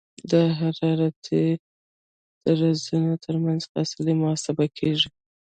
د حرارتي درزونو ترمنځ فاصله محاسبه کیږي